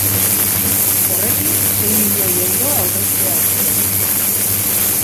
Horrekin sei milioi euro aurreztea espero dute.